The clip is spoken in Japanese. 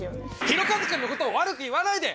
ひろかず君のことを悪く言わないで！